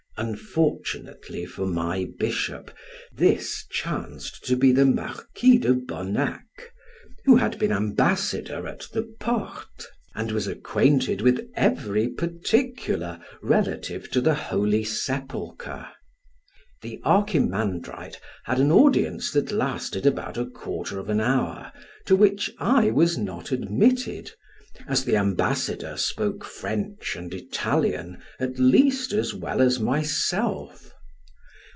Unfortunately for my bishop, this chanced to be the Marquis de Bonac, who had been ambassador at the Porte, and was acquainted with every particular relative to the Holy Sepulchre. The Archimandrite had an audience that lasted about a quarter of an hour, to which I was not admitted, as the ambassador spoke French and Italian at least as well as myself.